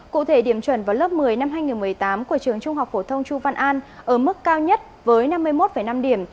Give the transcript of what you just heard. cụ thể điểm chuẩn vào lớp một mươi năm hai nghìn một mươi tám của trường trung học phổ thông chu văn an ở mức cao nhất với năm mươi một năm điểm